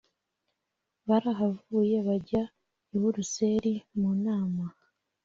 Barahavuye bajya i Buruseli mu nama